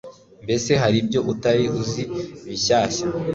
mbese hari ibyo utari uzi bishyashya